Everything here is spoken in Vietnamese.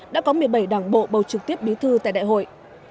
đã có một mươi bảy đảng bộ bầu trực tiếp bí thư tại đại hội